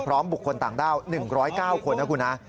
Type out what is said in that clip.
พร้อมบุกคนต่างด้าว๑๐๙คนนะครับคุณฮะ